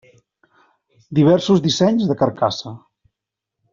Diversos dissenys de carcassa.